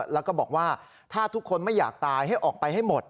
แล้วก็บอกว่าถ้าทุกคนไม่อยากตายให้ออกไปให้หมด